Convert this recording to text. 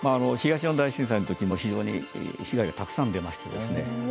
東日本大震災の時も非常に被害がたくさん出ましてですね。